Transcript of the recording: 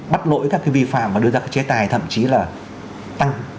bắt lỗi các cái vi phạm và đưa ra các chế tài thậm chí là tăng